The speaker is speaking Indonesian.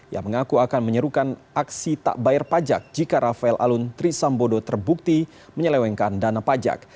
yang mengaku akan menyerukan aksi tak bayar pajak jika rafael alun trisambodo terbukti menyelewengkan dana pajak